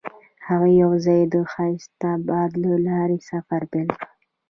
هغوی یوځای د ښایسته باد له لارې سفر پیل کړ.